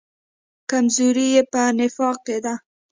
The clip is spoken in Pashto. کمزوري یې په نفاق کې ده.